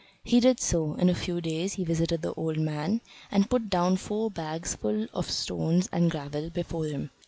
He did so; in a few days he visited the old man and put down four bags full of stones and gravel before him.